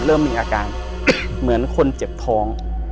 เริ่มมีอาการเหมือนคนเจ็บท้อง